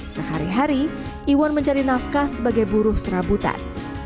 sehari hari iwan mencari nafkah sebagai buruh serabutan